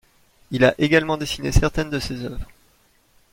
Il a également dessiné certaines de ses œuvres.